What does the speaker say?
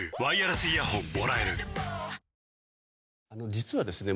実はですね